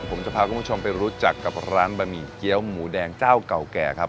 ผมจะพาคุณผู้ชมไปรู้จักกับร้านบะหมี่เกี้ยวหมูแดงเจ้าเก่าแก่ครับ